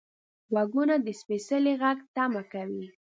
غوږونه د سپیڅلي غږ تمه کوي